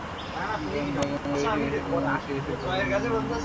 কোন দেশী ব্যাপার এসব?